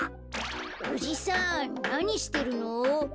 おじさんなにしてるの？